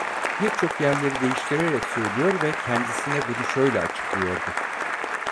Birçok yerleri değiştirerek söylüyor ve kendisine bunu şöyle açıklıyordu: